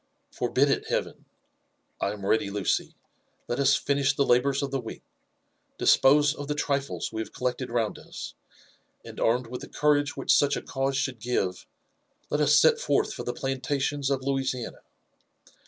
Forbid it, Heaven !— ^I am ready, Lucy. Let us finish the labours of the week, dispose of the trifles we have collect ed round us, and armed with the courage which such a cause should give, let us set forth for the plantations of Louisiana.